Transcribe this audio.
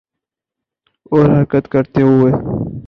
اور حرکت کرتے ہوئے